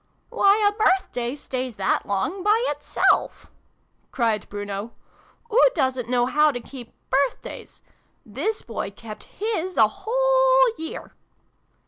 " Why, a birthday stays that long by itself! " cried Bruno. "Oo doosn't know how to keep birthdays ! This Boy kept his a whole year